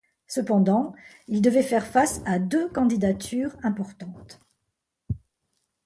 Cependant, il devait faire face à deux candidatures importantes.